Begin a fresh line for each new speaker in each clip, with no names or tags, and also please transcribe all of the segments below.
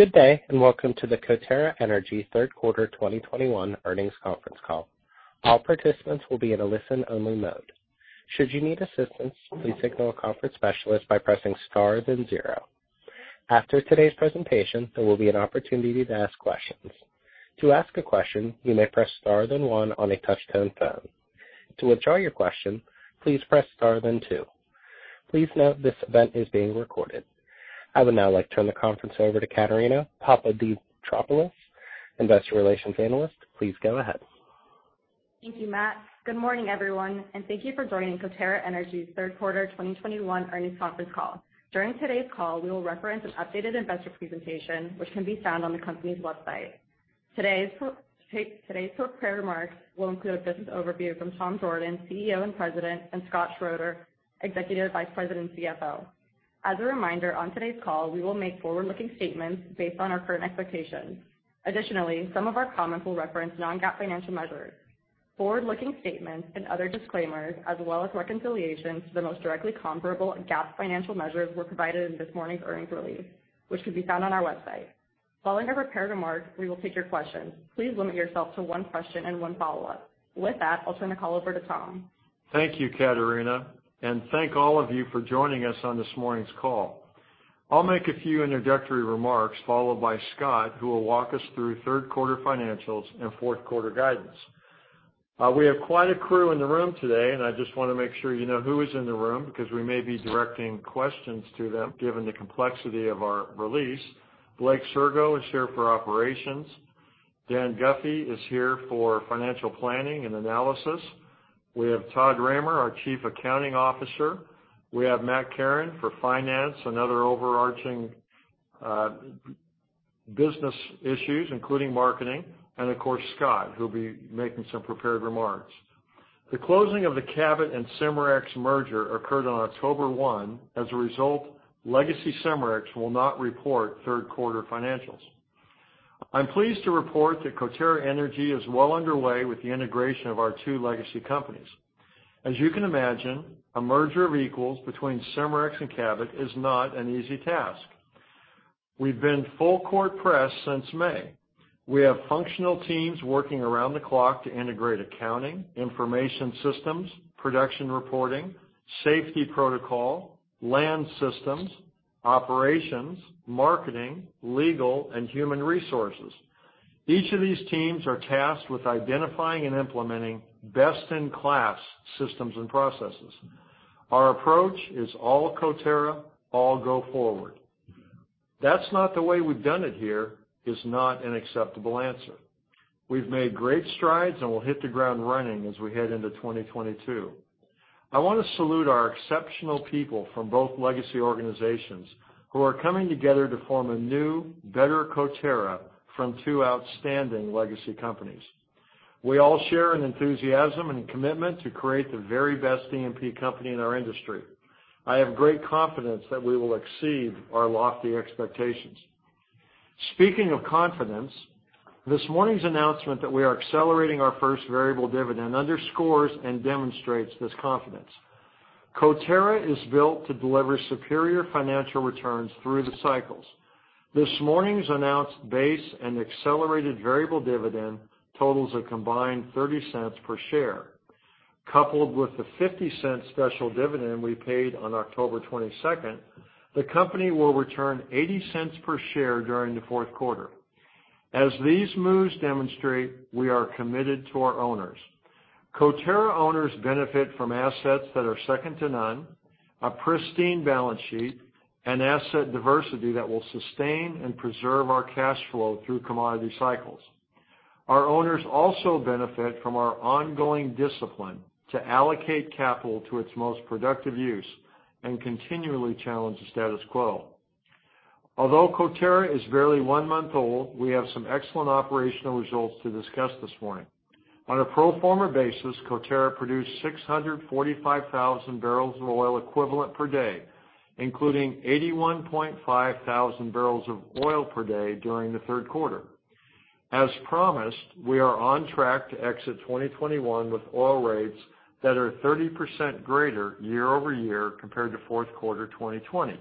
Good day, and welcome to the Coterra Energy third quarter 2021 earnings conference call. All participants will be in a listen-only mode. Should you need assistance, please signal a conference specialist by pressing Star, then zero. After today's presentation, there will be an opportunity to ask questions. To ask a question, you may press Star then one on a touch-tone phone. To withdraw your question, please press Star then two. Please note this event is being recorded. I would now like to turn the conference over to Caterina Papadimitropoulos, Investor Relations Analyst. Please go ahead.
Thank you, Matt. Good morning, everyone, and thank you for joining Coterra Energy's third quarter 2021 earnings conference call. During today's call, we will reference an updated investor presentation which can be found on the company's website. Today's prepared remarks will include a business overview from Tom Jorden, CEO and President, and Scott Schroeder, Executive Vice President and CFO. As a reminder, on today's call, we will make forward-looking statements based on our current expectations. Additionally, some of our comments will reference non-GAAP financial measures. Forward-looking statements and other disclaimers, as well as reconciliation to the most directly comparable GAAP financial measures, were provided in this morning's earnings release, which can be found on our website. Following our prepared remarks, we will take your questions. Please limit yourself to one question and one follow-up. With that, I'll turn the call over to Tom.
Thank you, Caterina, and thank all of you for joining us on this morning's call. I'll make a few introductory remarks, followed by Scott, who will walk us through third quarter financials and fourth quarter guidance. We have quite a crew in the room today, and I just wanna make sure you know who is in the room, because we may be directing questions to them, given the complexity of our release. Blake Sirgo is here for operations. Dan Guffey is here for financial planning and analysis. We have Todd Roemer, our Chief Accounting Officer. We have Matt Kerin for finance and other overarching business issues, including marketing. Of course, Scott, who'll be making some prepared remarks. The closing of the Cabot and Cimarex merger occurred on October 1. As a result, legacy Cimarex will not report third quarter financials. I'm pleased to report that Coterra Energy is well underway with the integration of our two legacy companies. As you can imagine, a merger of equals between Cimarex and Cabot is not an easy task. We've been full court press since May. We have functional teams working around the clock to integrate accounting, information systems, production reporting, safety protocol, land systems, operations, marketing, legal, and human resources. Each of these teams are tasked with identifying and implementing best-in-class systems and processes. Our approach is all of Coterra, all go forward. That's not the way we've done it here is not an acceptable answer. We've made great strides, and we'll hit the ground running as we head into 2022. I wanna salute our exceptional people from both legacy organizations who are coming together to form a new, better Coterra from two outstanding legacy companies. We all share an enthusiasm and commitment to create the very best E&P company in our industry. I have great confidence that we will exceed our lofty expectations. Speaking of confidence, this morning's announcement that we are accelerating our first variable dividend underscores and demonstrates this confidence. Coterra is built to deliver superior financial returns through the cycles. This morning's announced base and accelerated variable dividend totals a combined $0.30 per share. Coupled with the $0.50 special dividend we paid on October 22, the company will return $0.80 per share during the fourth quarter. As these moves demonstrate, we are committed to our owners. Coterra owners benefit from assets that are second to none, a pristine balance sheet, and asset diversity that will sustain and preserve our cash flow through commodity cycles. Our owners also benefit from our ongoing discipline to allocate capital to its most productive use and continually challenge the status quo. Although Coterra is barely one month old, we have some excellent operational results to discuss this morning. On a pro forma basis, Coterra produced 645,000 barrels of oil equivalent per day, including 81,500 barrels of oil per day during the third quarter. As promised, we are on track to exit 2021 with oil rates that are 30% greater year-over-year compared to fourth quarter 2020.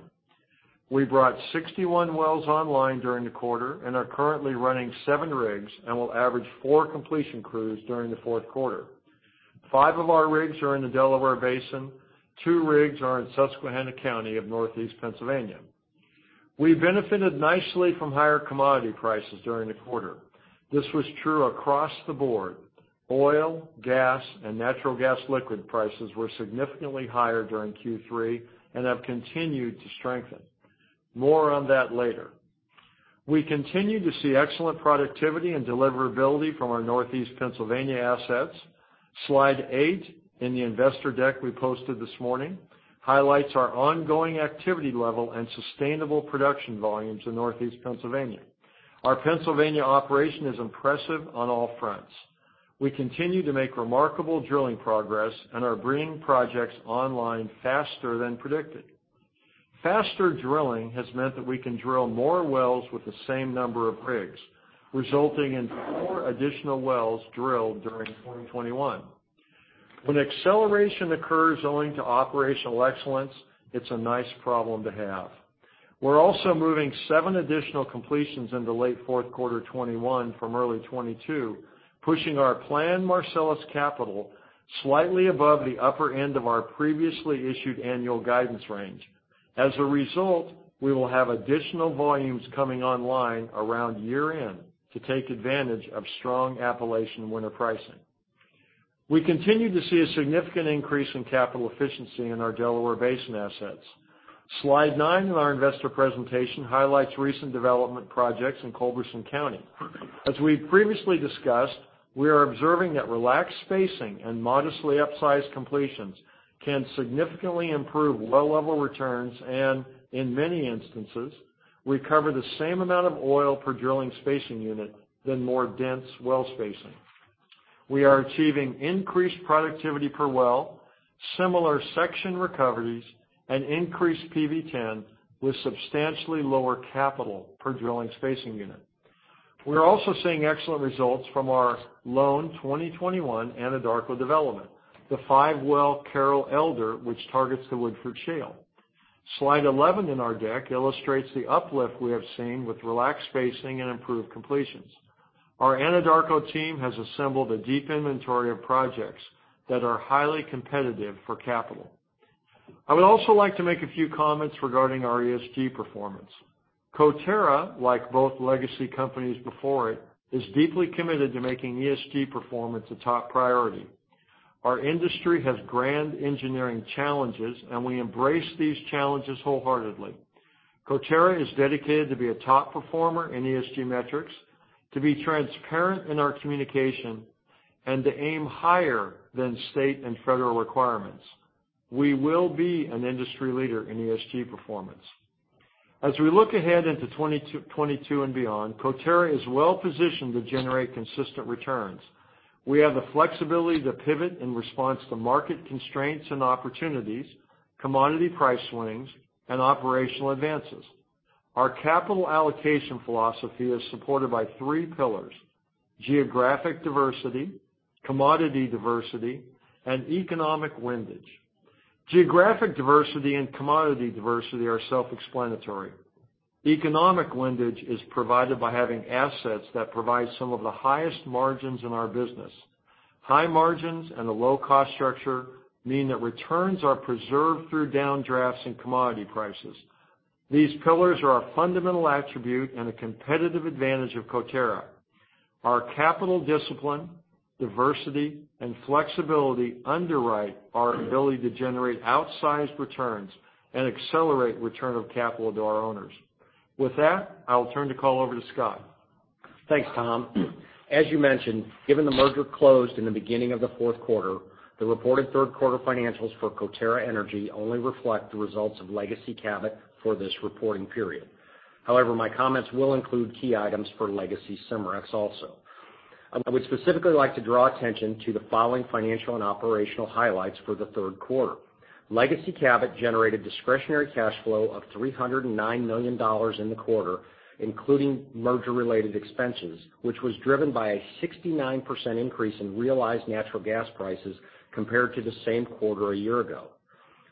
We brought 61 wells online during the quarter and are currently running 7 rigs and will average 4 completion crews during the fourth quarter. Five of our rigs are in the Delaware Basin, two rigs are in Susquehanna County of Northeast Pennsylvania. We benefited nicely from higher commodity prices during the quarter. This was true across the board. Oil, gas, and natural gas liquid prices were significantly higher during Q3 and have continued to strengthen. More on that later. We continue to see excellent productivity and deliverability from our Northeast Pennsylvania assets. Slide eight in the investor deck we posted this morning highlights our ongoing activity level and sustainable production volumes in Northeast Pennsylvania. Our Pennsylvania operation is impressive on all fronts. We continue to make remarkable drilling progress and are bringing projects online faster than predicted. Faster drilling has meant that we can drill more wells with the same number of rigs, resulting in 4 additional wells drilled during 2021. When acceleration occurs owing to operational excellence, it's a nice problem to have. We're also moving seven additional completions into late fourth quarter 2021 from early 2022, pushing our planned Marcellus capital slightly above the upper end of our previously issued annual guidance range. As a result, we will have additional volumes coming online around year-end to take advantage of strong Appalachia winter pricing. We continue to see a significant increase in capital efficiency in our Delaware Basin assets. Slide nine in our investor presentation highlights recent development projects in Culberson County. As we've previously discussed, we are observing that relaxed spacing and modestly upsized completions can significantly improve well level returns and, in many instances, recover the same amount of oil per drilling spacing unit as more dense well spacing. We are achieving increased productivity per well, similar section recoveries, and increased PV-10 with substantially lower capital per drilling spacing unit. We're also seeing excellent results from our 2021 Anadarko development, the five-well Carroll Elder, which targets the Woodford Shale. Slide 11 in our deck illustrates the uplift we have seen with relaxed spacing and improved completions. Our Anadarko team has assembled a deep inventory of projects that are highly competitive for capital. I would also like to make a few comments regarding our ESG performance. Coterra, like both legacy companies before it, is deeply committed to making ESG performance a top priority. Our industry has grand engineering challenges, and we embrace these challenges wholeheartedly. Coterra is dedicated to be a top performer in ESG metrics, to be transparent in our communication, and to aim higher than state and federal requirements. We will be an industry leader in ESG performance. As we look ahead into 2022 and beyond, Coterra is well-positioned to generate consistent returns. We have the flexibility to pivot in response to market constraints and opportunities, commodity price swings, and operational advances. Our capital allocation philosophy is supported by three pillars, geographic diversity, commodity diversity, and economic windage. Geographic diversity and commodity diversity are self-explanatory. Economic windage is provided by having assets that provide some of the highest margins in our business. High margins and a low-cost structure mean that returns are preserved through downdrafts in commodity prices. These pillars are a fundamental attribute and a competitive advantage of Coterra. Our capital discipline, diversity, and flexibility underwrite our ability to generate outsized returns and accelerate return of capital to our owners. With that, I will turn the call over to Scott.
Thanks, Tom. As you mentioned, given the merger closed in the beginning of the fourth quarter, the reported third quarter financials for Coterra Energy only reflect the results of legacy Cabot for this reporting period. However, my comments will include key items for legacy Cimarex also. I would specifically like to draw attention to the following financial and operational highlights for the third quarter. Legacy Cabot generated discretionary cash flow of $309 million in the quarter, including merger-related expenses, which was driven by a 69% increase in realized natural gas prices compared to the same quarter a year ago.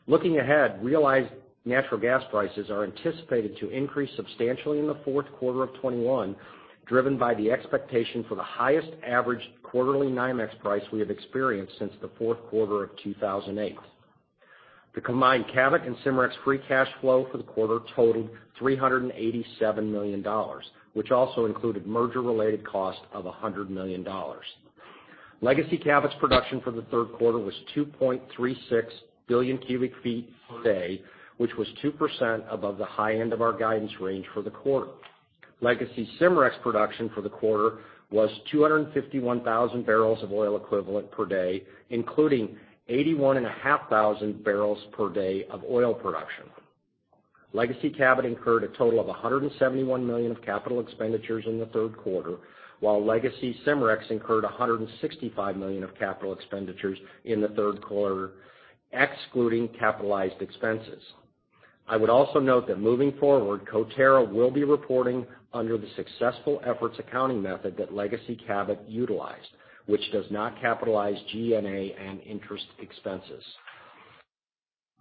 Looking ahead, realized natural gas prices are anticipated to increase substantially in the fourth quarter of 2021, driven by the expectation for the highest average quarterly NYMEX price we have experienced since the fourth quarter of 2008. The combined Cabot and Cimarex free cash flow for the quarter totaled $387 million, which also included merger-related cost of $100 million. Legacy Cabot's production for the third quarter was 2.36 billion cubic feet per day, which was 2% above the high end of our guidance range for the quarter. Legacy Cimarex production for the quarter was 251 thousand barrels of oil equivalent per day, including 81.5 thousand barrels per day of oil production. Legacy Cabot incurred a total of $171 million of capital expenditures in the third quarter, while legacy Cimarex incurred $165 million of capital expenditures in the third quarter, excluding capitalized expenses. I would also note that moving forward, Coterra will be reporting under the successful efforts accounting method that Legacy Cabot utilized, which does not capitalize G&A and interest expenses.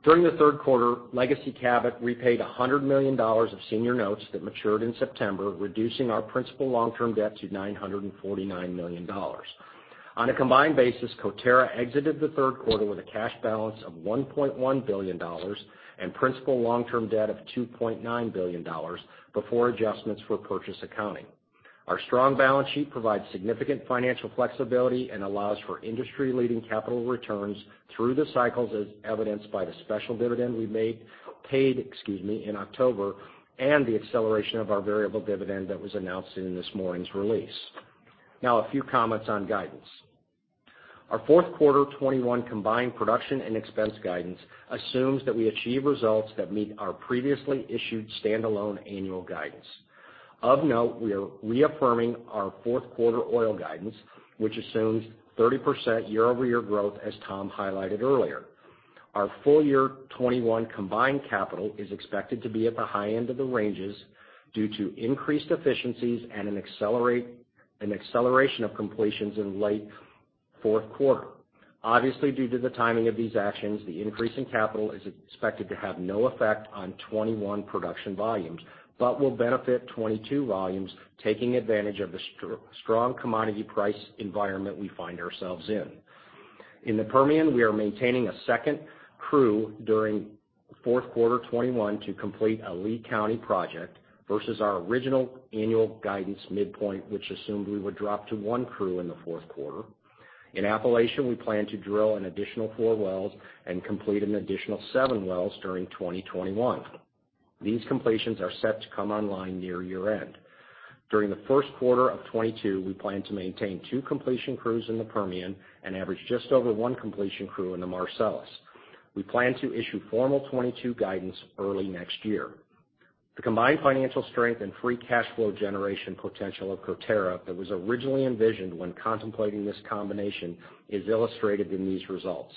During the third quarter, Legacy Cabot repaid $100 million of senior notes that matured in September, reducing our principal long-term debt to $949 million. On a combined basis, Coterra exited the third quarter with a cash balance of $1.1 billion and principal long-term debt of $2.9 billion before adjustments for purchase accounting. Our strong balance sheet provides significant financial flexibility and allows for industry-leading capital returns through the cycles, as evidenced by the special dividend we paid, excuse me, in October, and the acceleration of our variable dividend that was announced in this morning's release. Now a few comments on guidance. Our fourth quarter 2021 combined production and expense guidance assumes that we achieve results that meet our previously issued standalone annual guidance. Of note, we are reaffirming our fourth quarter oil guidance, which assumes 30% year-over-year growth as Tom highlighted earlier. Our full year 2021 combined capital is expected to be at the high end of the ranges due to increased efficiencies and an acceleration of completions in late fourth quarter. Obviously, due to the timing of these actions, the increase in capital is expected to have no effect on 2021 production volumes, but will benefit 2022 volumes, taking advantage of the strong commodity price environment we find ourselves in. In the Permian, we are maintaining a second crew during fourth quarter 2021 to complete a Lee County project versus our original annual guidance midpoint, which assumed we would drop to one crew in the fourth quarter. In Appalachia, we plan to drill an additional 4 wells and complete an additional 7 wells during 2021. These completions are set to come online near year-end. During the first quarter of 2022, we plan to maintain 2 completion crews in the Permian and average just over 1 completion crew in the Marcellus. We plan to issue formal 2022 guidance early next year. The combined financial strength and free cash flow generation potential of Coterra that was originally envisioned when contemplating this combination is illustrated in these results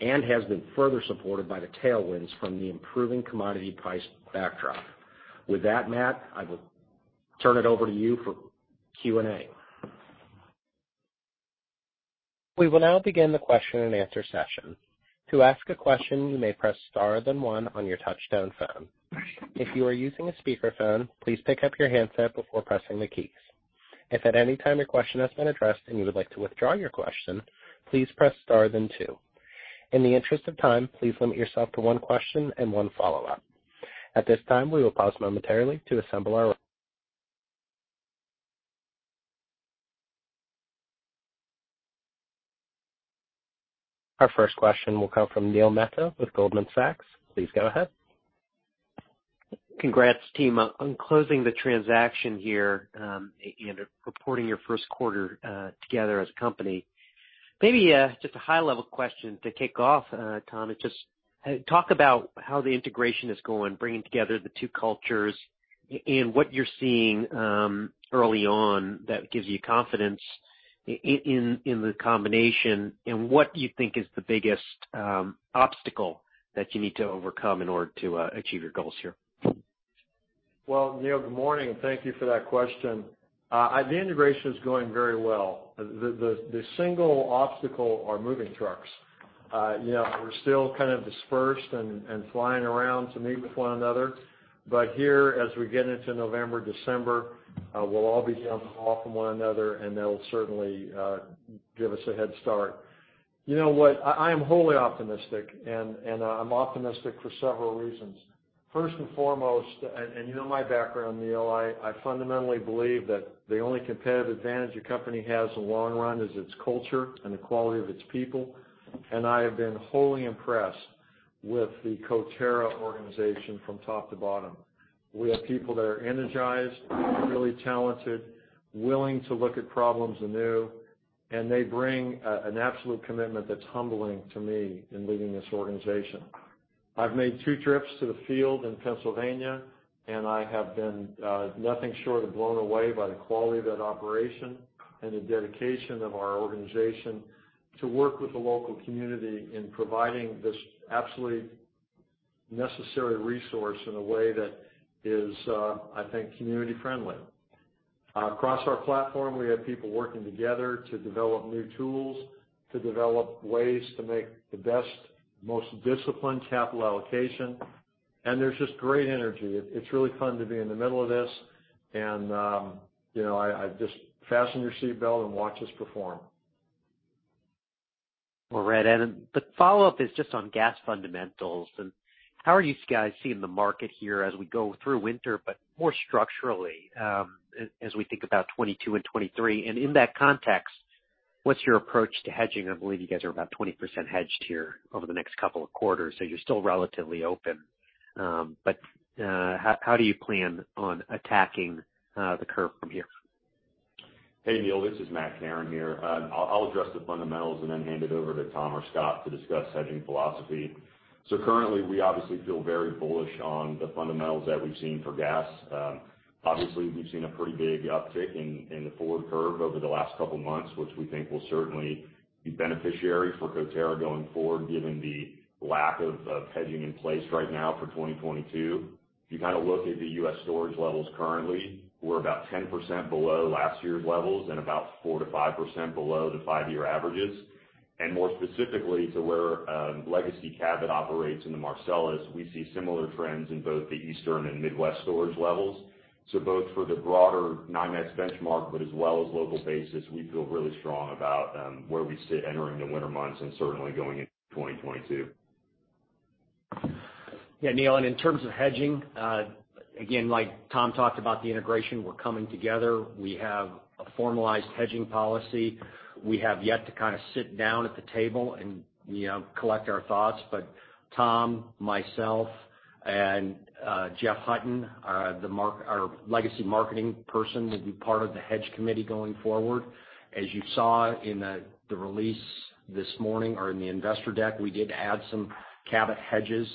and has been further supported by the tailwinds from the improving commodity price backdrop. With that, Matt, I will turn it over to you for Q&A.
We will now begin the question-and-answer session. To ask a question, you may press star then one on your touch-tone phone. If you are using a speakerphone, please pick up your handset before pressing the keys. If at any time your question has been addressed and you would like to withdraw your question, please press star then two. In the interest of time, please limit yourself to one question and one follow-up. At this time, we will pause momentarily to assemble. Our first question will come from Neil Mehta with Goldman Sachs. Please go ahead.
Congrats, team, on closing the transaction here, and reporting your first quarter together as a company. Maybe just a high-level question to kick off, Tom. Just talk about how the integration is going, bringing together the two cultures and what you're seeing early on that gives you confidence in the combination, and what you think is the biggest obstacle that you need to overcome in order to achieve your goals here.
Well, Neil, good morning, and thank you for that question. The integration is going very well. The single obstacle is moving trucks. You know, we're still kind of dispersed and flying around to meet with one another. Here, as we get into November, December, we'll all be down the hall from one another, and that'll certainly give us a head start. You know what? I am wholly optimistic, and I'm optimistic for several reasons. First and foremost, you know my background, Neil, I fundamentally believe that the only competitive advantage a company has in the long run is its culture and the quality of its people. I have been wholly impressed with the Coterra organization from top to bottom. We have people that are energized, really talented, willing to look at problems anew, and they bring an absolute commitment that's humbling to me in leading this organization. I've made two trips to the field in Pennsylvania, and I have been nothing short of blown away by the quality of that operation and the dedication of our organization to work with the local community in providing this absolutely necessary resource in a way that is, I think, community friendly. Across our platform, we have people working together to develop new tools, to develop ways to make the best, most disciplined capital allocation, and there's just great energy. It's really fun to be in the middle of this. I just fasten your seatbelt and watch us perform.
All right. Then the follow-up is just on gas fundamentals. How are you guys seeing the market here as we go through winter, but more structurally, as we think about 2022 and 2023? In that context, what's your approach to hedging? I believe you guys are about 20% hedged here over the next couple of quarters, so you're still relatively open. How do you plan on attacking the curve from here?
Hey, Neil, this is Matt Kerin here. I'll address the fundamentals and then hand it over to Tom or Scott to discuss hedging philosophy. Currently, we obviously feel very bullish on the fundamentals that we've seen for gas. Obviously, we've seen a pretty big uptick in the forward curve over the last couple months, which we think will certainly be beneficial for Coterra going forward, given the lack of hedging in place right now for 2022. If you kind of look at the U.S. storage levels currently, we're about 10% below last year's levels and about 4%-5% below the five-year averages. More specifically to where legacy Cabot operates in the Marcellus, we see similar trends in both the Eastern and Midwest storage levels.
Both for the broader NYMEX benchmark, but as well as local basis, we feel really strong about where we sit entering the winter months and certainly going into 2022. Yeah, Neil, in terms of hedging, again, like Tom talked about the integration, we're coming together. We have a formalized hedging policy. We have yet to kind of sit down at the table and, you know, collect our thoughts. Tom, myself, and Jeff Hutton, our legacy marketing person, will be part of the hedge committee going forward. As you saw in the release this morning or in the investor deck, we did add some Cabot hedges.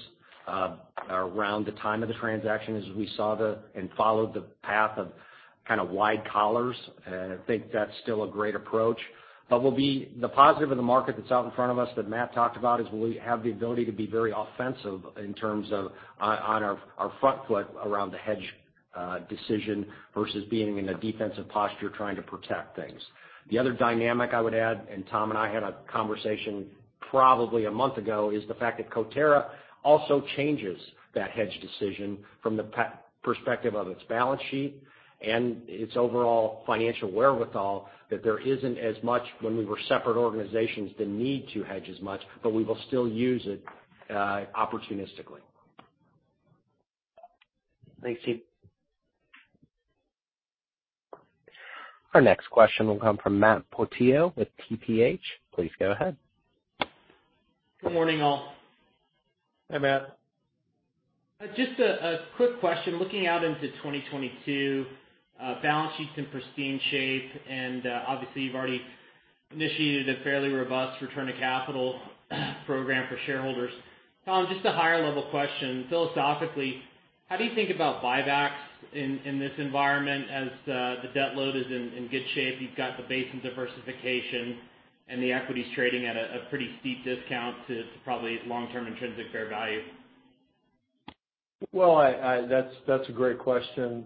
Around the time of the transaction, as we saw and followed the path of kind of wide collars, I think that's still a great approach. The positive of the market that's out in front of us that Matt talked about is we have the ability to be very offensive in terms of on our front foot around the hedge decision versus being in a defensive posture trying to protect things. The other dynamic I would add, Tom and I had a conversation probably a month ago, is the fact that Coterra also changes that hedge decision from the perspective of its balance sheet and its overall financial wherewithal, that there isn't as much when we were separate organizations, the need to hedge as much, but we will still use it opportunistically.
Thank you.
Our next question will come from Matt Portillo with TPH. Please go ahead.
Good morning, all.
Hi, Matt.
Just a quick question. Looking out into 2022, balance sheet's in pristine shape, and obviously you've already initiated a fairly robust return to capital program for shareholders. Tom, just a higher level question. Philosophically, how do you think about buybacks in this environment as the debt load is in good shape, you've got the basin diversification and the equity's trading at a pretty steep discount to probably its long-term intrinsic fair value?
Well, that's a great question.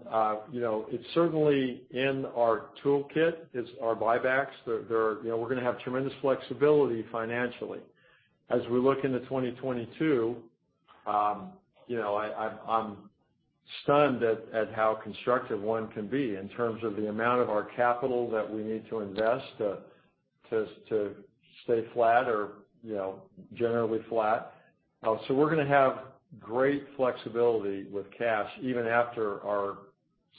You know, it's certainly in our toolkit is our buybacks. They're, you know, we're gonna have tremendous flexibility financially. As we look into 2022, you know, I'm stunned at how constructive one can be in terms of the amount of our capital that we need to invest to stay flat or, you know, generally flat. We're gonna have great flexibility with cash even after our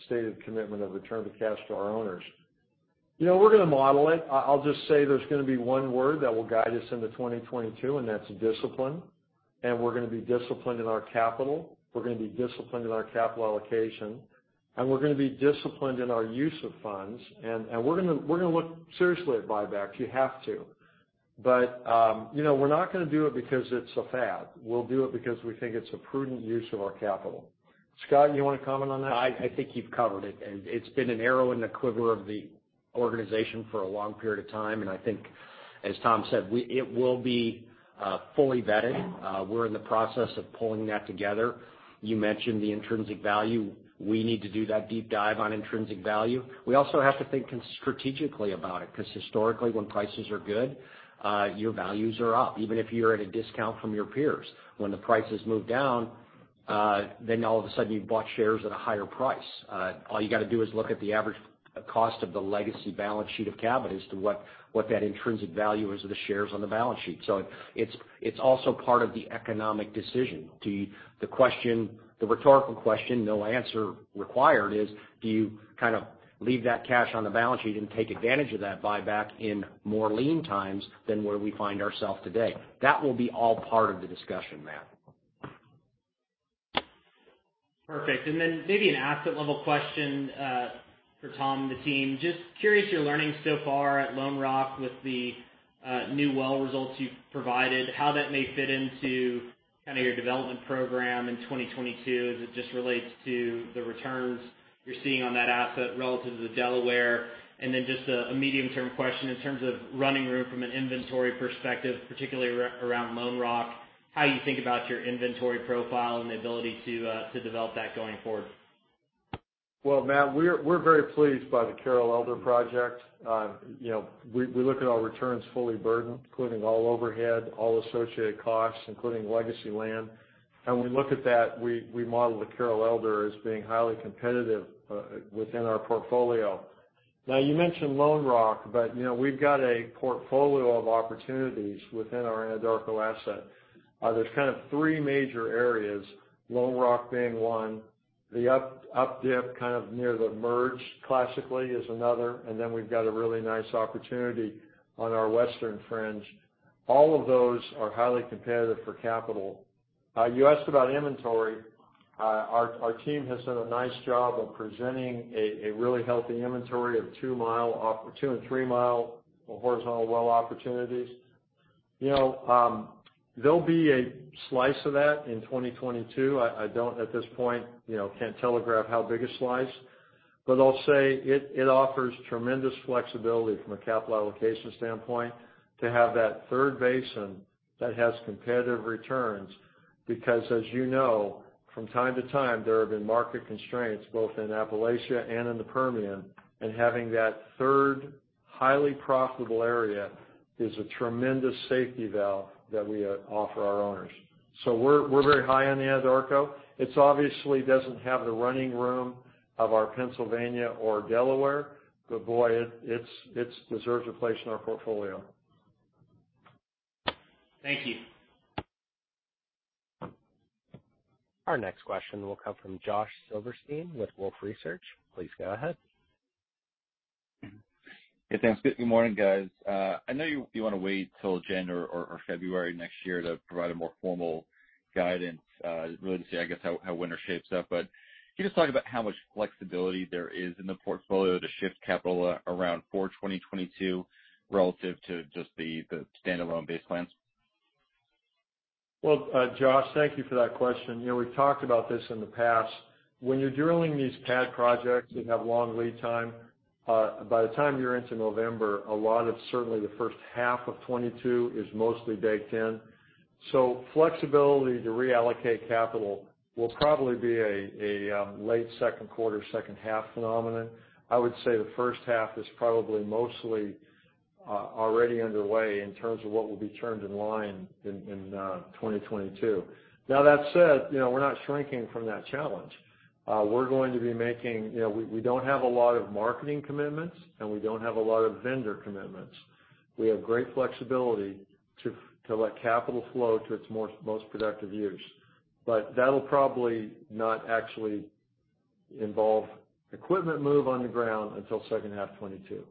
stated commitment of return of the cash to our owners. You know, we're gonna model it. I'll just say there's gonna be one word that will guide us into 2022, and that's discipline. We're gonna be disciplined in our capital. We're gonna be disciplined in our capital allocation, and we're gonna be disciplined in our use of funds. We're gonna look seriously at buybacks. You have to. You know, we're not gonna do it because it's a fad. We'll do it because we think it's a prudent use of our capital. Scott, you wanna comment on that?
I think you've covered it, and it's been an arrow in the quiver of the organization for a long period of time. I think, as Tom said, it will be fully vetted. We're in the process of pulling that together. You mentioned the intrinsic value. We need to do that deep dive on intrinsic value. We also have to think strategically about it, because historically when prices are good, your values are up, even if you're at a discount from your peers. When the prices move down, then all of a sudden you've bought shares at a higher price. All you gotta do is look at the average cost of the legacy balance sheet of Cabot as to what that intrinsic value is of the shares on the balance sheet. It's also part of the economic decision. The question, the rhetorical question, no answer required, is do you kind of leave that cash on the balance sheet and take advantage of that buyback in more lean times than where we find ourselves today? That will be all part of the discussion, Matt.
Perfect. Maybe an asset level question for Tom and the team. Just curious, your learning so far at Lone Rock with the new well results you've provided, how that may fit into kind of your development program in 2022 as it just relates to the returns you're seeing on that asset relative to the Delaware. Just a medium-term question, in terms of running room from an inventory perspective, particularly around Lone Rock, how you think about your inventory profile and the ability to develop that going forward.
Well, Matt, we're very pleased by the Carroll Elder project. You know, we look at our returns fully burdened, including all overhead, all associated costs, including legacy land. When we look at that, we model the Carroll Elder as being highly competitive within our portfolio. Now, you mentioned Lone Rock, but you know, we've got a portfolio of opportunities within our Anadarko asset. There's kind of three major areas, Lone Rock being one, the updip kind of near the merger classically is another, and then we've got a really nice opportunity on our western fringe. All of those are highly competitive for capital. You asked about inventory. Our team has done a nice job of presenting a really healthy inventory of two- and three-mile horizontal well opportunities. You know, there'll be a slice of that in 2022. I don't at this point, you know, can't telegraph how big a slice, but I'll say it offers tremendous flexibility from a capital allocation standpoint to have that third basin that has competitive returns. Because as you know, from time to time, there have been market constraints both in Appalachia and in the Permian, and having that third highly profitable area is a tremendous safety valve that we offer our owners. So we're very high on the Anadarko. It obviously doesn't have the running room of our Pennsylvania or Delaware, but boy, it deserves a place in our portfolio.
Thank you.
Our next question will come from Josh Silverstein with Wolfe Research. Please go ahead.
Hey, thanks. Good morning, guys. I know you wanna wait till January or February next year to provide a more formal guidance, really to see, I guess, how winter shapes up, but can you just talk about how much flexibility there is in the portfolio to shift capital around for 2022 relative to just the standalone base plans?
Well, Josh, thank you for that question. You know, we've talked about this in the past. When you're drilling these pad projects that have long lead time, by the time you're into November, a lot of certainly the first half of 2022 is mostly baked in. Flexibility to reallocate capital will probably be a late second quarter, second half phenomenon. I would say the first half is probably mostly already underway in terms of what will be turned in line in 2022. Now that said, you know, we're not shrinking from that challenge. You know, we don't have a lot of marketing commitments, and we don't have a lot of vendor commitments. We have great flexibility to let capital flow to its most productive use. That'll probably not actually involve equipment move on the ground until second half 2022.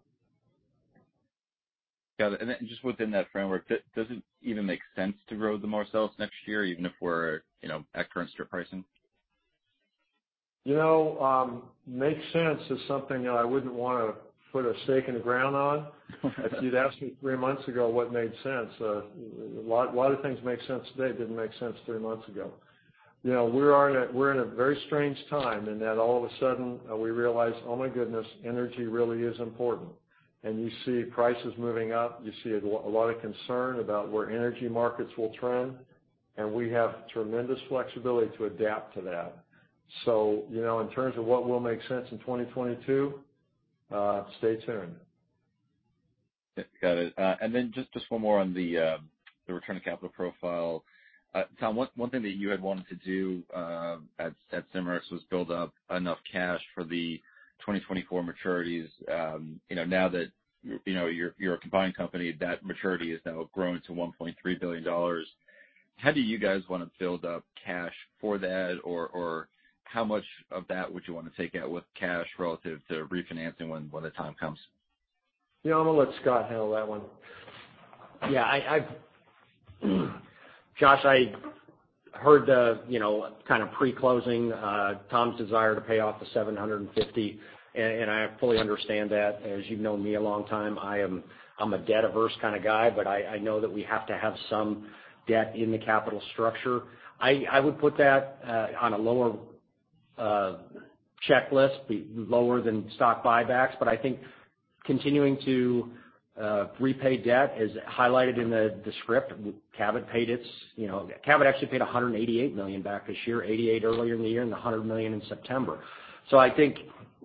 Got it. Just within that framework, does it even make sense to grow the Marcellus next year, even if we're, you know, at current strip pricing?
You know, makes sense is something I wouldn't wanna put a stake in the ground on. If you'd asked me three months ago what made sense, a lot of things make sense today that didn't make sense three months ago. You know, we're in a very strange time in that all of a sudden, we realize, oh, my goodness, energy really is important. You see prices moving up. You see a lot of concern about where energy markets will trend, and we have tremendous flexibility to adapt to that. You know, in terms of what will make sense in 2022, stay tuned.
Got it. Just one more on the return on capital profile. Tom, one thing that you had wanted to do at Cimarex was build up enough cash for the 2024 maturities. You know, now that you're a combined company, that maturity has now grown to $1.3 billion. How do you guys wanna build up cash for that? Or how much of that would you wanna take out with cash relative to refinancing when the time comes?
Yeah, I'm gonna let Scott handle that one.
Yeah, Josh, I heard the kind of pre-closing Tom's desire to pay off the $750 million, and I fully understand that. As you've known me a long time, I am a debt-averse kind of guy, but I know that we have to have some debt in the capital structure. I would put that on a lower checklist, lower than stock buybacks. I think continuing to repay debt, as highlighted in the script, Cabot actually paid $188 million back this year, $88 million earlier in the year, and $100 million in September. I think,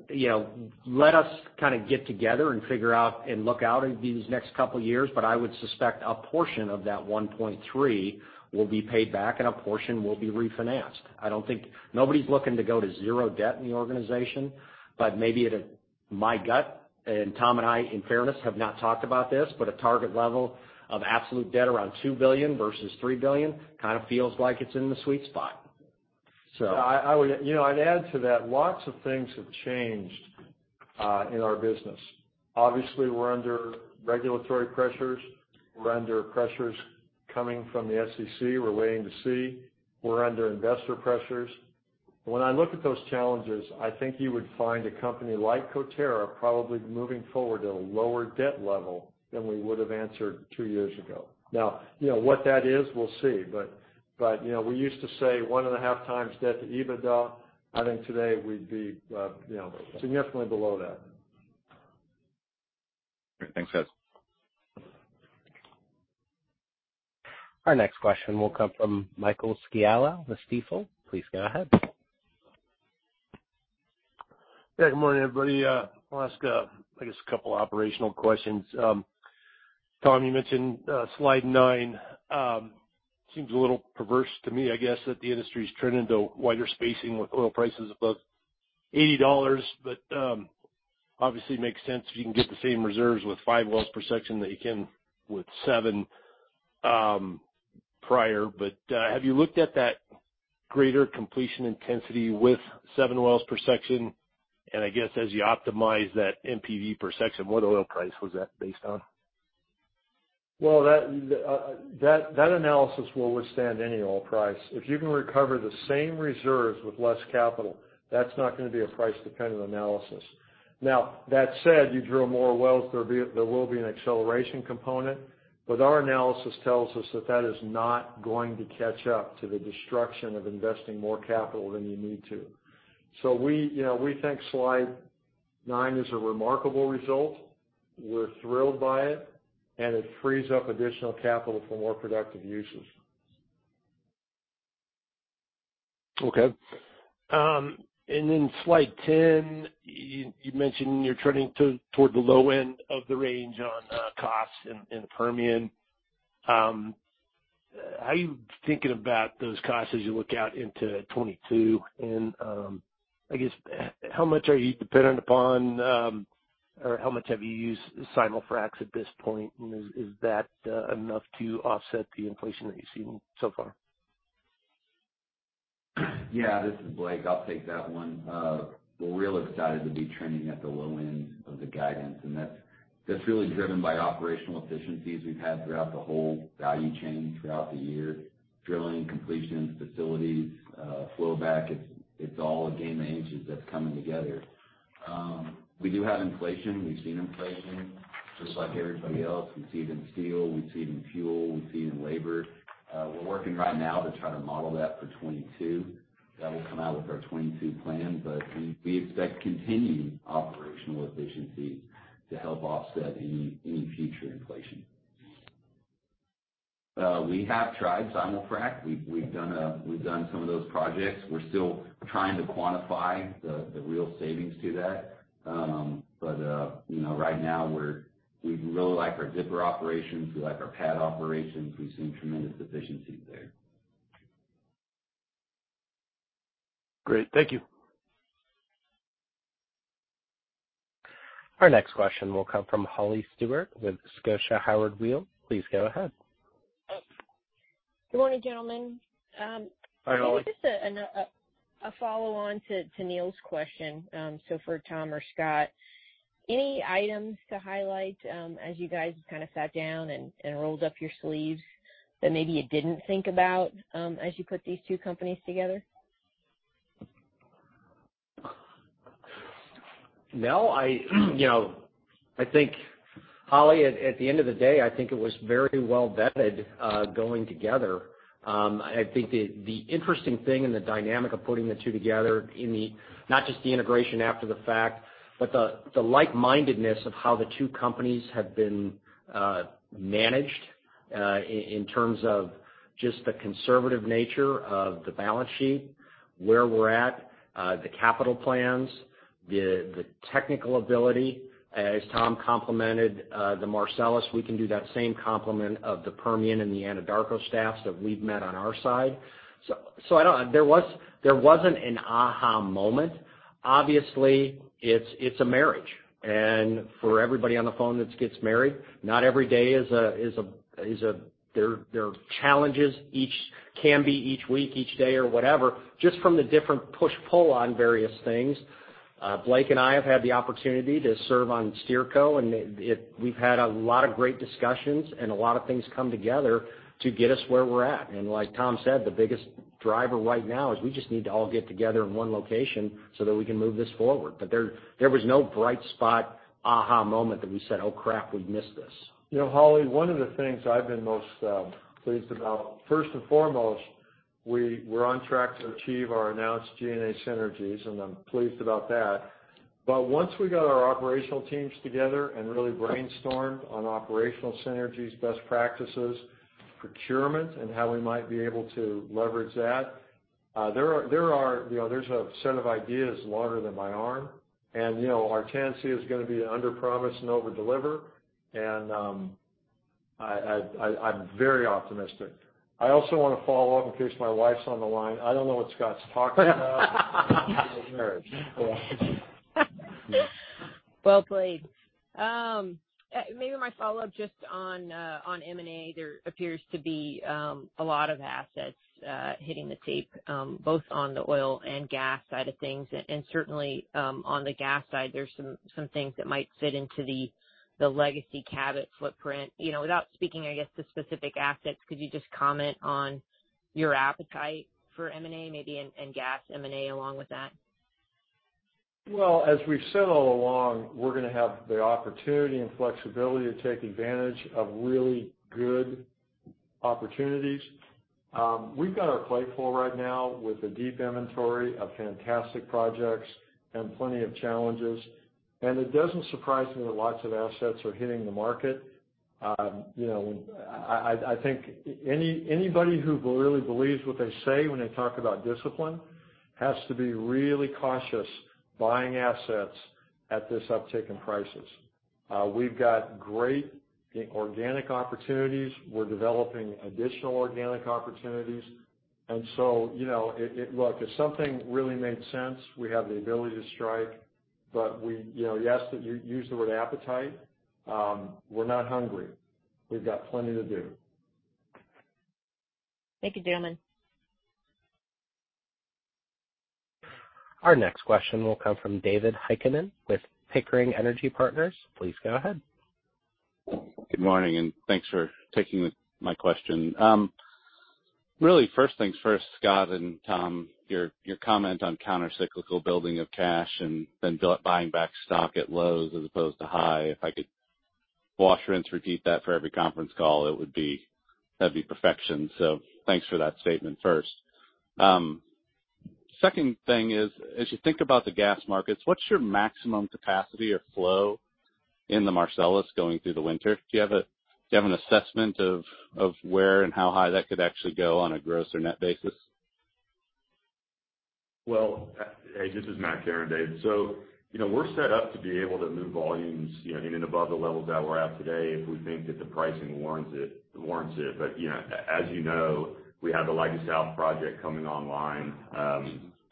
you know, let us kinda get together and figure out and look out at these next couple years, but I would suspect a portion of that $1.3 billion will be paid back and a portion will be refinanced. I don't think nobody's looking to go to zero debt in the organization, but maybe at a, my gut, and Tom and I, in fairness, have not talked about this, but a target level of absolute debt around $2 billion versus $3 billion kinda feels like it's in the sweet spot.
I would. You know, I'd add to that, lots of things have changed in our business. Obviously, we're under regulatory pressures. We're under pressures coming from the SEC. We're waiting to see. We're under investor pressures. When I look at those challenges, I think you would find a company like Coterra probably moving forward at a lower debt level than we would've answered two years ago. Now, you know, what that is, we'll see. But you know, we used to say 1.5x debt to EBITDA. I think today we'd be, you know, significantly below that.
Great. Thanks, guys.
Our next question will come from Michael Scialla with Stifel. Please go ahead.
Yeah, good morning, everybody. I wanna ask, I guess, a couple operational questions. Tom, you mentioned slide nine seems a little perverse to me, I guess, that the industry's turned into wider spacing with oil prices above $80. Obviously makes sense if you can get the same reserves with 5 wells per section that you can with 7 prior. Have you looked at that greater completion intensity with 7 wells per section? I guess, as you optimize that NPV per section, what oil price was that based on?
Well, that analysis will withstand any oil price. If you can recover the same reserves with less capital, that's not gonna be a price-dependent analysis. Now, that said, you drill more wells, there will be an acceleration component, but our analysis tells us that that is not going to catch up to the destruction of investing more capital than you need to. So we, you know, we think slide nine is a remarkable result. We're thrilled by it, and it frees up additional capital for more productive uses.
Okay. Slide 10, you mentioned you're trending toward the low end of the range on costs in the Permian. How are you thinking about those costs as you look out into 2022? I guess how much are you dependent upon, or how much have you used simul-fracs at this point? Is that enough to offset the inflation that you've seen so far?
Yeah, this is Blake. I'll take that one. We're real excited to be trending at the low end of the guidance, and that's really driven by operational efficiencies we've had throughout the whole value chain throughout the year. Drilling-... facilities, flowback. It's all a game of inches that's coming together. We do have inflation. We've seen inflation just like everybody else. We see it in steel, we see it in fuel, we see it in labor. We're working right now to try to model that for 2022. That will come out with our 2022 plan. We expect continued operational efficiency to help offset any future inflation. We have tried simul-frac. We've done some of those projects. We're still trying to quantify the real savings to that. You know, right now we really like our zipper operations. We like our pad operations. We've seen tremendous efficiencies there.
Great. Thank you.
Our next question will come from Holly Stewart with Scotia Howard Weil. Please go ahead.
Good morning, gentlemen.
Hi, Holly.
This is just a follow on to Neil's question. For Tom or Scott, any items to highlight, as you guys kind of sat down and rolled up your sleeves that maybe you didn't think about, as you put these two companies together?
No, you know, I think, Holly, at the end of the day, I think it was very well vetted going together. I think the interesting thing and the dynamic of putting the two together, not just the integration after the fact, but the like-mindedness of how the two companies have been managed in terms of just the conservative nature of the balance sheet, where we're at, the capital plans, the technical ability. As Tom complemented the Marcellus, we can do that same complement of the Permian and the Anadarko staffs that we've met on our side. There wasn't an aha moment. Obviously, it's a marriage. For everybody on the phone that gets married, not every day is a. There are challenges that can be each week, each day, or whatever, just from the different push-pull on various things. Blake and I have had the opportunity to serve on SteerCo, and we've had a lot of great discussions and a lot of things come together to get us where we're at. Like Tom said, the biggest driver right now is we just need to all get together in one location so that we can move this forward. There was no bright spot aha moment that we said, "Oh, crap, we've missed this.
You know, Holly, one of the things I've been most pleased about, first and foremost, we're on track to achieve our announced G&A synergies, and I'm pleased about that. Once we got our operational teams together and really brainstormed on operational synergies, best practices, procurement, and how we might be able to leverage that, you know, there's a set of ideas longer than my arm. You know, our tendency is gonna be underpromise and overdeliver, and I'm very optimistic. I also wanna follow up in case my wife's on the line. I don't know what Scott's talking about. Marriage.
Well played. Maybe my follow-up just on M&A. There appears to be a lot of assets hitting the tape, both on the oil and gas side of things. And certainly, on the gas side, there's some things that might fit into the legacy Cabot footprint. You know, without speaking, I guess, to specific assets, could you just comment on your appetite for M&A maybe in gas M&A along with that?
Well, as we've said all along, we're gonna have the opportunity and flexibility to take advantage of really good opportunities. We've got our plate full right now with a deep inventory of fantastic projects and plenty of challenges. It doesn't surprise me that lots of assets are hitting the market. You know, I think anybody who really believes what they say when they talk about discipline has to be really cautious buying assets at this uptick in prices. We've got great organic opportunities. We're developing additional organic opportunities. You know, it. Look, if something really made sense, we have the ability to strike. We, you know. You asked to use the word appetite. We're not hungry. We've got plenty to do.
Thank you, gentlemen.
Our next question will come from David Heikkinen with Pickering Energy Partners. Please go ahead.
Good morning, and thanks for taking my question. Really first things first, Scott and Tom, your comment on counter-cyclical building of cash and then buying back stock at lows as opposed to high, if I could wash, rinse, repeat that for every conference call, it would be. That'd be perfection. Thanks for that statement first. Second thing is, as you think about the gas markets, what's your maximum capacity or flow in the Marcellus going through the winter? Do you have an assessment of where and how high that could actually go on a gross or net basis?
Well, hey, this is Matt Kerin, David. You know, we're set up to be able to move volumes, you know, in and above the levels that we're at today if we think that the pricing warrants it. You know, as you know, we have the Leidy South project coming online,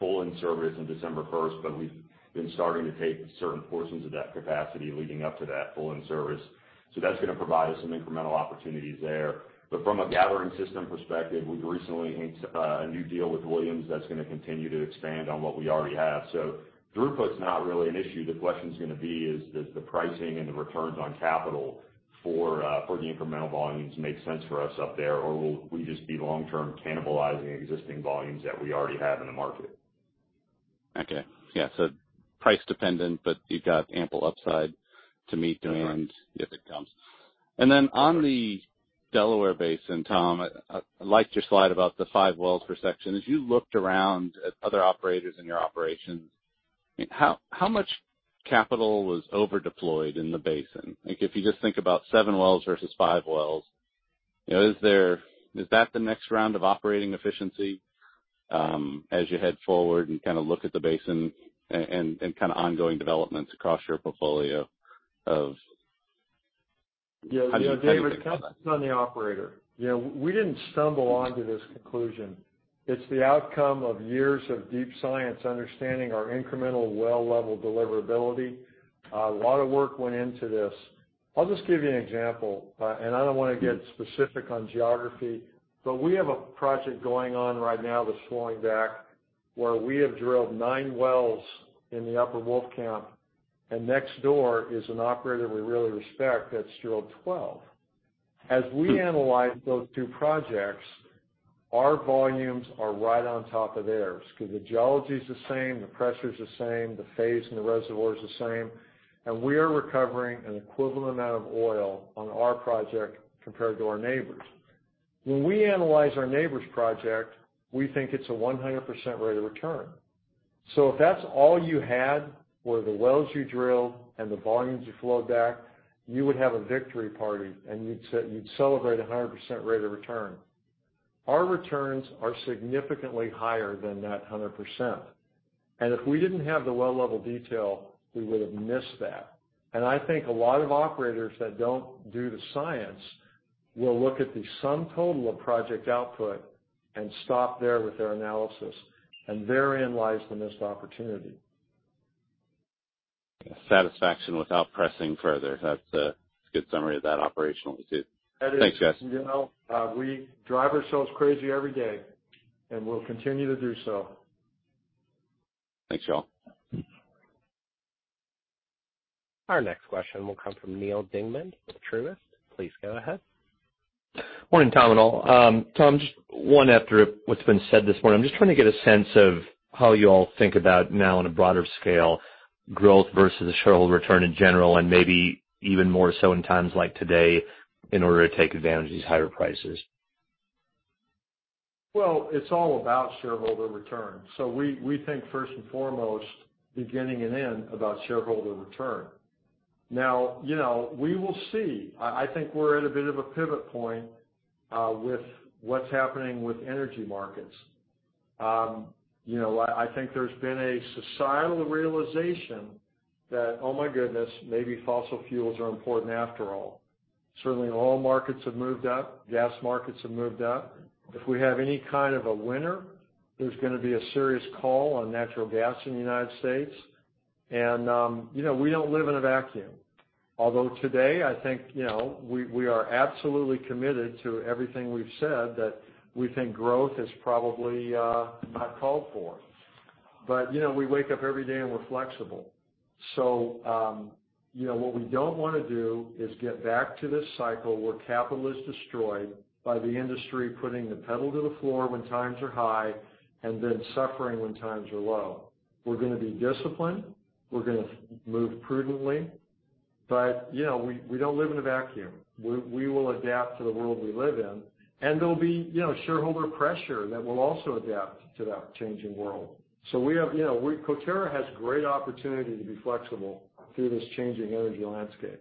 full in service on December first, but we've been starting to take certain portions of that capacity leading up to that full in service. That's gonna provide us some incremental opportunities there. From a gathering system perspective, we've recently inc- New deal with Williams that's gonna continue to expand on what we already have. Throughput's not really an issue. The question's gonna be is the the pricing and the returns on capital for for the incremental volumes make sense for us up there or will we just be long-term cannibalizing existing volumes that we already have in the market?
Okay. Yeah, price dependent, but you've got ample upside to meet demand.
Correct.
If it comes. Then on the Delaware Basin, Tom, I liked your slide about the 5 wells per section. As you looked around at other operators in your operations, how much capital was over-deployed in the basin? Like, if you just think about 7 wells versus 5 wells, you know, is that the next round of operating efficiency, as you head forward and kinda look at the basin and kinda ongoing developments across your portfolio of... How do you think about that?
Yeah, you know, David, it comes from the operator. You know, we didn't stumble onto this conclusion. It's the outcome of years of deep science understanding our incremental well level deliverability. A lot of work went into this. I'll just give you an example. And I don't wanna get specific on geography, but we have a project going on right now that's flowing back, where we have drilled 9 wells in the Upper Wolfcamp, and next door is an operator we really respect that's drilled 12. As we analyze those two projects, our volumes are right on top of theirs because the geology's the same, the pressure's the same, the phase in the reservoir is the same, and we are recovering an equivalent amount of oil on our project compared to our neighbor's. When we analyze our neighbor's project, we think it's a 100% rate of return. If that's all you had were the wells you drilled and the volumes you flowed back, you would have a victory party, and you'd celebrate a 100% rate of return. Our returns are significantly higher than that 100%. If we didn't have the well level detail, we would've missed that. I think a lot of operators that don't do the science will look at the sum total of project output and stop there with their analysis, and therein lies the missed opportunity.
Satisfied without pressing further. That's a good summary of that operational initiative.
That is-
Thanks, guys.
You know, we drive ourselves crazy every day, and we'll continue to do so.
Thanks, y'all.
Our next question will come from Neal Dingmann with Truist. Please go ahead.
Morning, Tom and all. Tom, just one after what's been said this morning. I'm just trying to get a sense of how you all think about now on a broader scale, growth versus shareholder return in general, and maybe even more so in times like today in order to take advantage of these higher prices.
Well, it's all about shareholder return. We think first and foremost, beginning and end, about shareholder return. Now, you know, we will see. I think we're at a bit of a pivot point with what's happening with energy markets. You know, I think there's been a societal realization that, oh my goodness, maybe fossil fuels are important after all. Certainly, oil markets have moved up, gas markets have moved up. If we have any kind of a winter, there's gonna be a serious call on natural gas in the United States. You know, we don't live in a vacuum. Although today, I think, you know, we are absolutely committed to everything we've said that we think growth is probably not called for. We wake up every day, and we're flexible. You know, what we don't wanna do is get back to this cycle where capital is destroyed by the industry putting the pedal to the floor when times are high and then suffering when times are low. We're gonna be disciplined. We're gonna move prudently. You know, we don't live in a vacuum. We will adapt to the world we live in, and there'll be, you know, shareholder pressure that will also adapt to that changing world. We have, you know, Coterra has great opportunity to be flexible through this changing energy landscape.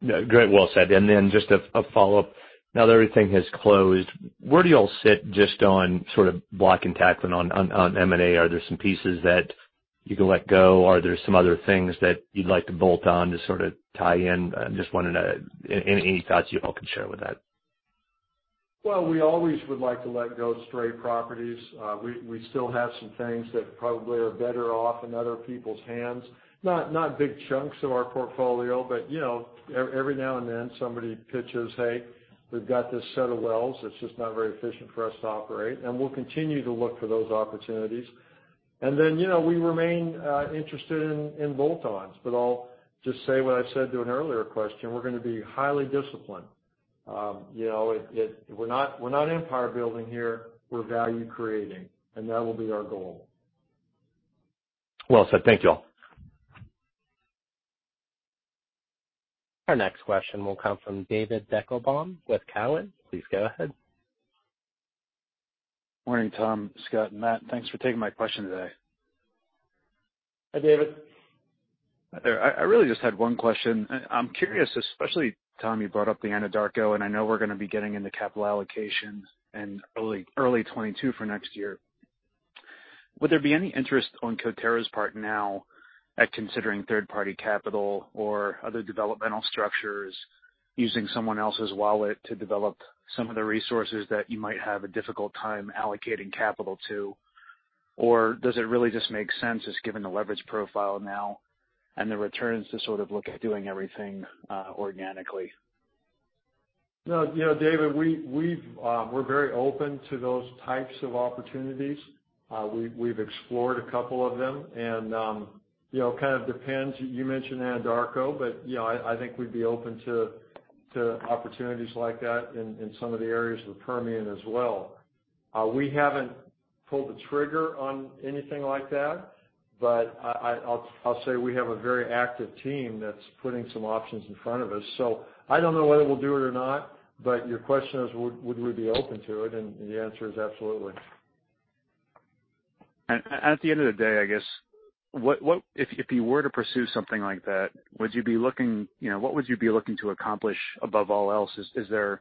Yeah. Great. Well said. Just a follow-up. Now that everything has closed, where do y'all sit just on sort of blocking, tackling on M&A? Are there some pieces that you can let go? Are there some other things that you'd like to bolt on to sort of tie in? I'm just wondering, any thoughts you all can share with that.
Well, we always would like to let go of stray properties. We still have some things that probably are better off in other people's hands. Not big chunks of our portfolio, but, you know, every now and then somebody pitches, "Hey, we've got this set of wells. It's just not very efficient for us to operate." We'll continue to look for those opportunities. Then, you know, we remain interested in bolt-ons, but I'll just say what I said to an earlier question. We're gonna be highly disciplined. You know, we're not empire building here. We're value creating, and that will be our goal.
Well said. Thank you all.
Our next question will come from David Deckelbaum with Cowen. Please go ahead.
Morning, Tom, Scott, and Matt. Thanks for taking my question today.
Hi, David.
Hi there. I really just had one question. I'm curious, especially, Tom, you brought up the Anadarko, and I know we're gonna be getting into capital allocations in early 2022 for next year. Would there be any interest on Coterra's part now at considering third-party capital or other developmental structures using someone else's wallet to develop some of the resources that you might have a difficult time allocating capital to? Does it really make sense given the leverage profile now and the returns to sort of look at doing everything organically?
No, you know, David, we're very open to those types of opportunities. We've explored a couple of them. You know, it kind of depends. You mentioned Anadarko, but you know, I think we'd be open to opportunities like that in some of the areas of the Permian as well. We haven't pulled the trigger on anything like that, but I'll say we have a very active team that's putting some options in front of us. So I don't know whether we'll do it or not, but your question is would we be open to it? The answer is absolutely.
At the end of the day, I guess, what if you were to pursue something like that, would you be looking, you know, what would you be looking to accomplish above all else? Is there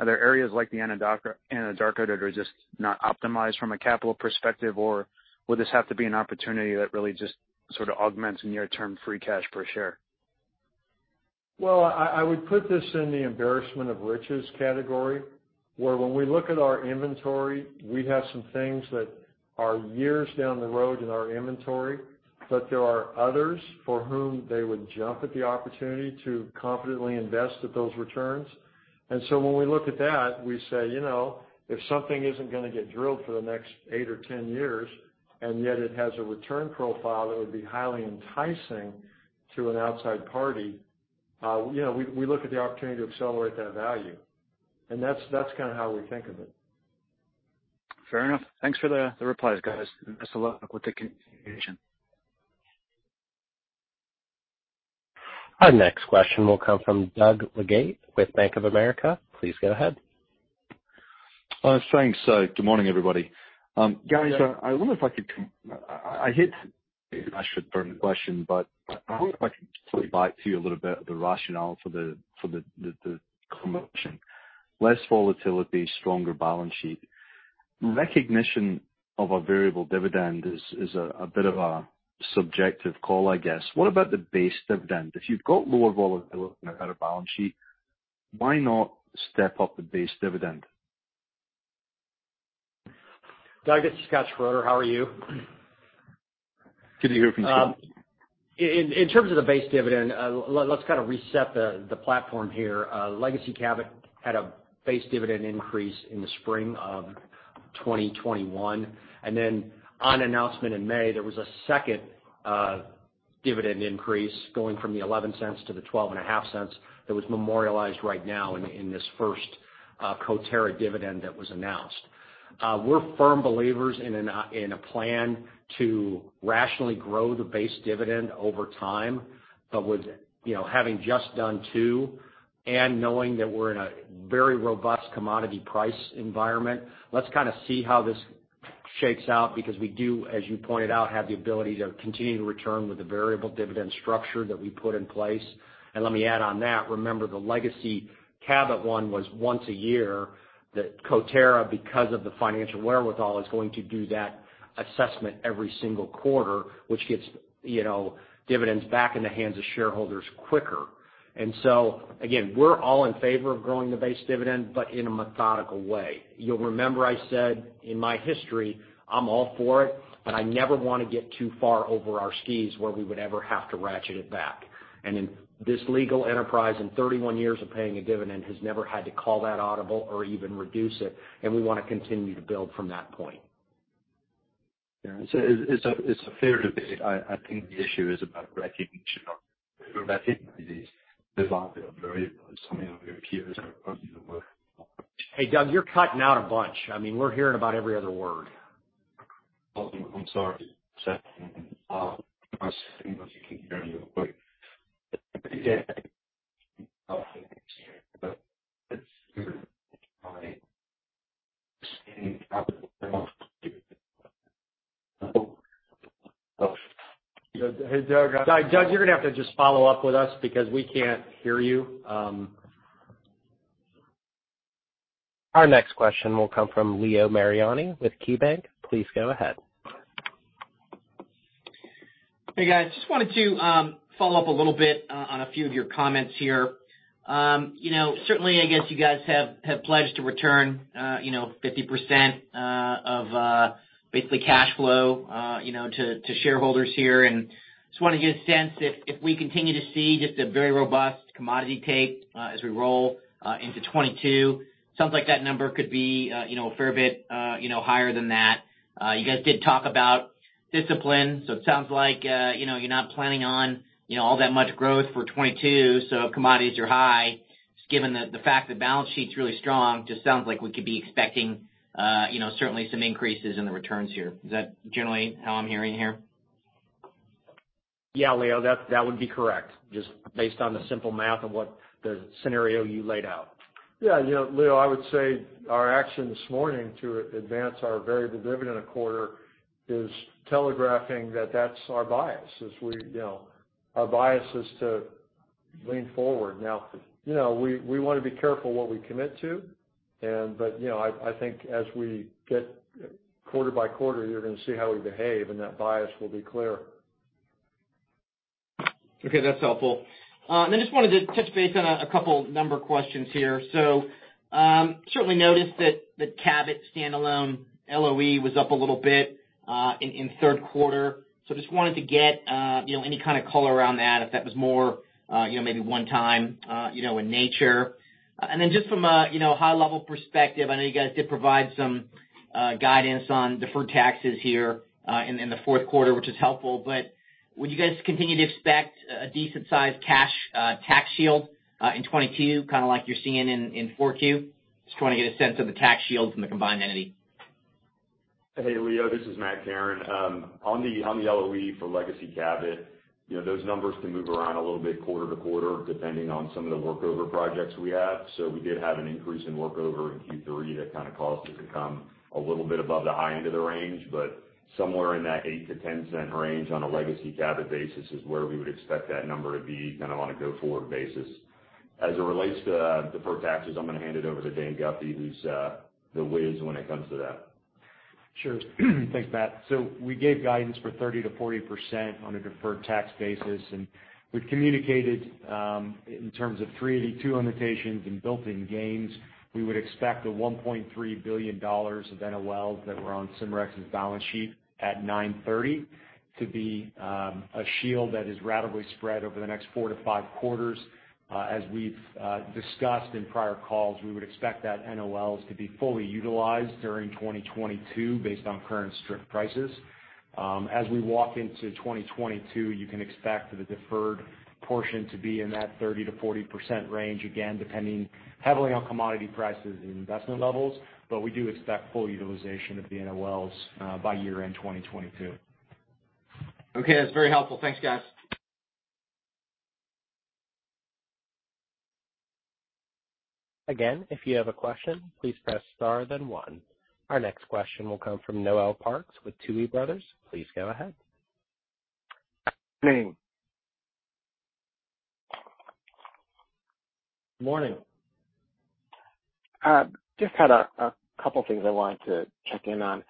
areas like the Anadarko that are just not optimized from a capital perspective, or would this have to be an opportunity that really just sort of augments near-term free cash per share?
Well, I would put this in the embarrassment of riches category, where when we look at our inventory, we have some things that are years down the road in our inventory, but there are others for whom they would jump at the opportunity to confidently invest at those returns. When we look at that, we say, you know, if something isn't gonna get drilled for the next eight or 10 years, and yet it has a return profile that would be highly enticing to an outside party, you know, we look at the opportunity to accelerate that value. That's kinda how we think of it.
Fair enough. Thanks for the replies, guys. Best of luck with the continuation.
Our next question will come from Doug Leggate with Bank of America. Please go ahead.
Thanks, good morning, everybody. Guys, I wonder if I could come to you a little bit on the rationale for the promotion. Less volatility, stronger balance sheet. Recognition of a variable dividend is a bit of a subjective call, I guess. What about the base dividend? If you've got lower volatility and a better balance sheet, why not step up the base dividend?
Doug, this is Scott Schroeder. How are you?
Good to hear from you, Scott.
In terms of the base dividend, let's kinda reset the platform here. Legacy Cabot had a base dividend increase in the spring of 2021. Then on announcement in May, there was a second dividend increase going from the $0.11 to the $0.125 that was memorialized right now in this first Coterra dividend that was announced. We're firm believers in a plan to rationally grow the base dividend over time, but with, you know, having just done two and knowing that we're in a very robust commodity price environment, let's kinda see how this shapes out because we do, as you pointed out, have the ability to continue to return with the variable dividend structure that we put in place. Let me add on that. Remember, the legacy Cabot one was once a year that Coterra, because of the financial wherewithal, is going to do that assessment every single quarter, which gets, you know, dividends back in the hands of shareholders quicker. Again, we're all in favor of growing the base dividend, but in a methodical way. You'll remember I said in my history, I'm all for it, but I never wanna get too far over our skis where we would ever have to ratchet it back. In this legacy enterprise, in 31 years of paying a dividend, has never had to call that audible or even reduce it, and we wanna continue to build from that point.
Yeah, it's a fair debate. I think the issue is about hitting these dividends that are variable. Some of your peers are probably the more-
Hey, Doug, you're cutting out a bunch. I mean, we're hearing about every other word.
Oh, I'm sorry.
Hey, Doug.
Doug, you're gonna have to just follow up with us because we can't hear you.
Our next question will come from Leo Mariani with KeyBanc. Please go ahead.
Hey, guys. Just wanted to follow up a little bit on a few of your comments here. You know, certainly, I guess you guys have pledged to return, you know, 50% of basically cash flow, you know, to shareholders here. Just wanted to get a sense if we continue to see just a very robust commodity take as we roll into 2022. Sounds like that number could be, you know, a fair bit, you know, higher than that. You guys did talk about discipline, so it sounds like, you know, you're not planning on, you know, all that much growth for 2022, so commodities are high. Just given the fact the balance sheet's really strong, just sounds like we could be expecting, you know, certainly some increases in the returns here. Is that generally how I'm hearing here?
Yeah, Leo, that would be correct. Just based on the simple math of what the scenario you laid out.
Yeah. You know, Leo, I would say our action this morning to advance our variable dividend a quarter is telegraphing that that's our bias, you know. Our bias is to lean forward. Now, you know, we wanna be careful what we commit to, but you know, I think as we get quarter by quarter, you're gonna see how we behave, and that bias will be clear.
Okay, that's helpful. I just wanted to touch base on a couple numerical questions here. Certainly noticed that the Cabot standalone LOE was up a little bit in third quarter. Just wanted to get you know, any kind of color around that, if that was more you know, maybe one time in nature. Then just from a you know, high level perspective, I know you guys did provide some guidance on deferred taxes here in the fourth quarter, which is helpful. Would you guys continue to expect a decent sized cash tax shield in 2022, kind of like you're seeing in four Q? Just trying to get a sense of the tax shield from the combined entity.
Hey, Leo, this is Matt Kerin. On the LOE for Legacy Cabot, you know, those numbers can move around a little bit quarter to quarter, depending on some of the workover projects we have. We did have an increase in workover in Q3 that kind of caused it to come a little bit above the high end of the range, but somewhere in that $0.08-$0.10 range on a Legacy Cabot basis is where we would expect that number to be kind of on a go-forward basis. As it relates to deferred taxes, I'm gonna hand it over to Dan Guffey, who's the whiz when it comes to that.
Sure. Thanks, Matt. We gave guidance for 30%-40% on a deferred tax basis, and we've communicated in terms of Section 382 limitations and built-in gains. We would expect the $1.3 billion of NOLs that were on Cimarex's balance sheet at 9/30 to be a shield that is ratably spread over the next 4-5 quarters. As we've discussed in prior calls, we would expect that NOLs to be fully utilized during 2022 based on current strip prices. As we walk into 2022, you can expect the deferred portion to be in that 30%-40% range, again, depending heavily on commodity prices and investment levels. We do expect full utilization of the NOLs by year-end 2022.
Okay. That's very helpful. Thanks, guys.
Again, if you have a question, please press star then one. Our next question will come from Noel Parks with Tuohy Brothers. Please go ahead.
Morning.
Morning.
Just had a couple things I wanted to check in on.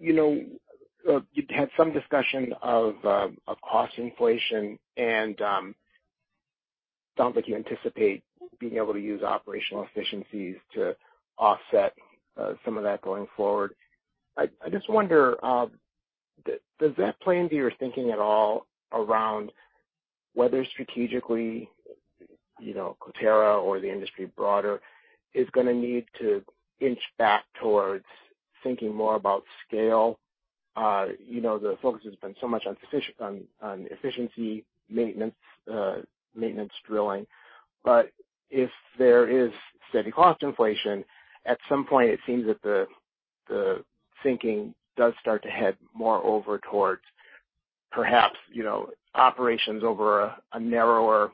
You know, you had some discussion of cost inflation, and sounds like you anticipate being able to use operational efficiencies to offset some of that going forward. I just wonder, does that play into your thinking at all around whether strategically, you know, Coterra or the industry broader is gonna need to inch back towards thinking more about scale? You know, the focus has been so much on efficiency, maintenance drilling. If there is steady cost inflation, at some point it seems that the thinking does start to head more over towards perhaps, you know, operations over a narrower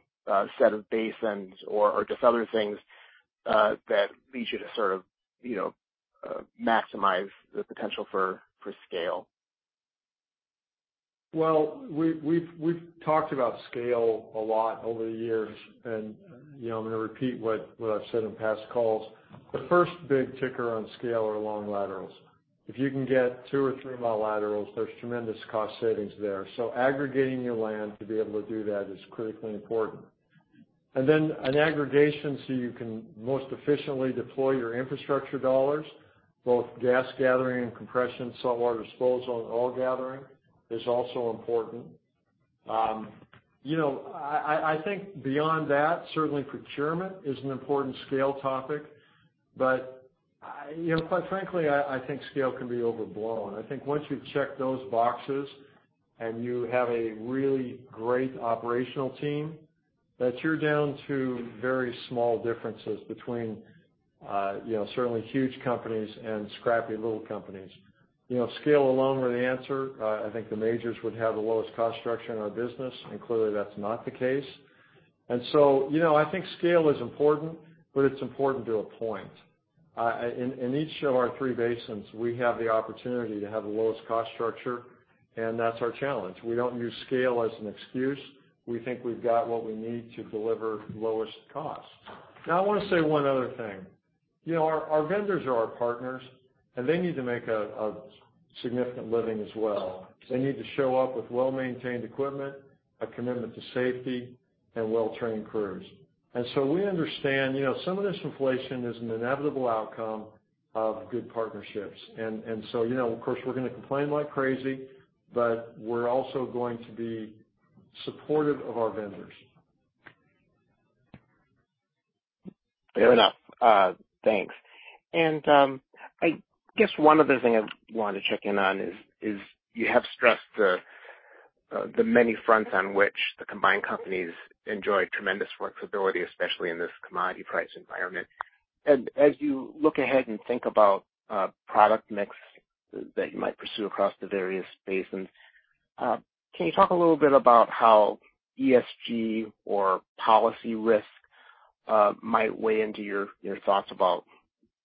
set of basins or just other things that lead you to sort of, you know, maximize the potential for scale.
Well, we've talked about scale a lot over the years, and, you know, I'm gonna repeat what I've said in past calls. The first big ticket on scale are long laterals. If you can get 2- or 3-mile laterals, there's tremendous cost savings there. Aggregating your land to be able to do that is critically important. Then aggregation so you can most efficiently deploy your infrastructure dollars, both gas gathering and compression, saltwater disposal, and oil gathering is also important. You know, I think beyond that, certainly procurement is an important scale topic. But, you know, quite frankly, I think scale can be overblown. I think once you check those boxes and you have a really great operational team, that you're down to very small differences between, you know, certainly huge companies and scrappy little companies. You know, if scale alone were the answer, I think the majors would have the lowest cost structure in our business, and clearly that's not the case. You know, I think scale is important, but it's important to a point. In each of our three basins, we have the opportunity to have the lowest cost structure, and that's our challenge. We don't use scale as an excuse. We think we've got what we need to deliver lowest cost. Now, I wanna say one other thing. You know, our vendors are our partners, and they need to make a significant living as well. They need to show up with well-maintained equipment, a commitment to safety, and well-trained crews. We understand, you know, some of this inflation is an inevitable outcome of good partnerships. You know, of course, we're gonna complain like crazy, but we're also going to be supportive of our vendors.
Fair enough. I guess one other thing I wanted to check in on is you have stressed the many fronts on which the combined companies enjoy tremendous flexibility, especially in this commodity price environment. As you look ahead and think about product mix that you might pursue across the various basins, can you talk a little bit about how ESG or policy risk might weigh into your thoughts about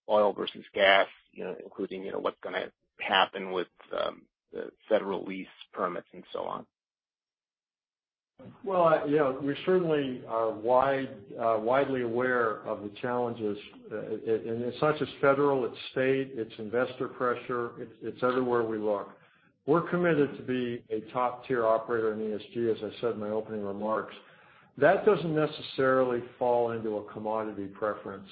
oil versus gas? You know, including what's gonna happen with the federal lease permits and so on.
Well, you know, we certainly are widely aware of the challenges. And it's not just federal, it's state, it's investor pressure, it's everywhere we look. We're committed to be a top-tier operator in ESG, as I said in my opening remarks. That doesn't necessarily fall into a commodity preference.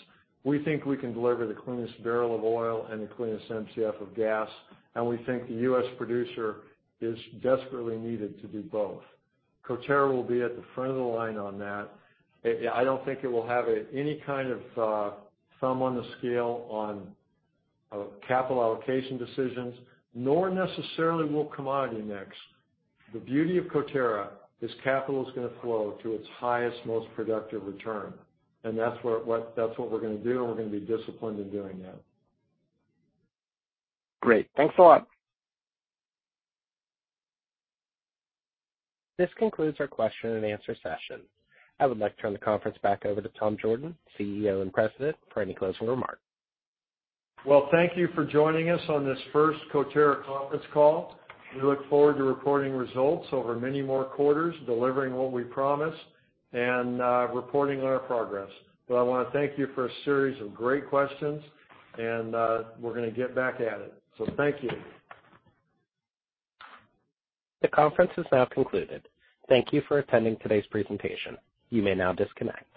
We think we can deliver the cleanest barrel of oil and the cleanest MCF of gas, and we think the U.S. producer is desperately needed to do both. Coterra will be at the front of the line on that. I don't think it will have any kind of thumb on the scale on capital allocation decisions, nor necessarily will commodity mix. The beauty of Coterra is capital's gonna flow to its highest, most productive return, and that's what we're gonna do, and we're gonna be disciplined in doing that.
Great. Thanks a lot.
This concludes our question and answer session. I would like to turn the conference back over to Tom Jorden, CEO and President, for any closing remarks.
Well, thank you for joining us on this first Coterra conference call. We look forward to reporting results over many more quarters, delivering what we promised, and reporting on our progress. I wanna thank you for a series of great questions, and we're gonna get back at it. Thank you.
The conference is now concluded. Thank you for attending today's presentation. You may now disconnect.